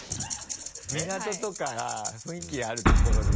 港とか雰囲気あるところで。